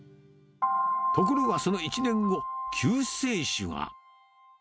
ところがその１年後、救世主が。